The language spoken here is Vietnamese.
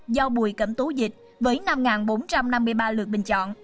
do bùi cẩm tú dịch với năm bốn trăm năm mươi ba lượt bình chọn